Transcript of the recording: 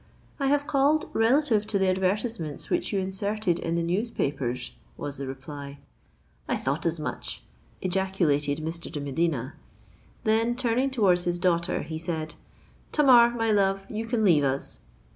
"I have called relative to the advertisements which you inserted in the newspapers," was the reply.—"I thought as much!" ejaculated Mr. de Medina: then, turning towards his daughter, he said, "Tamar, my love, you can leave us."